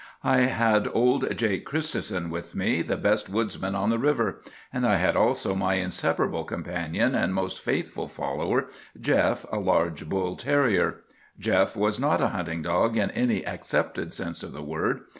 I had old Jake Christison with me, the best woodsman on the river; and I had also my inseparable companion and most faithful follower, Jeff, a large bull terrier. Jeff was not a hunting dog in any accepted sense of the word.